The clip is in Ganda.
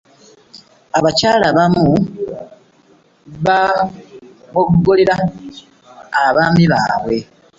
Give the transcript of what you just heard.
Abakyala abamu baboggolera abaami baabwe.